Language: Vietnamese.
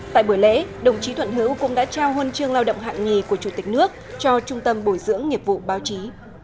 tại buổi lễ đồng chí thuận hữu cũng đã trao huân chương lao động hạng nhì của chủ tịch nước cho trung tâm bồi dưỡng nghiệp vụ báo chí